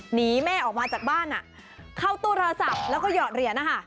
หนีแม่ออกมาจากบ้านเข้าตู้โทรศัพท์แล้วก็หยอดเหรียญนะคะ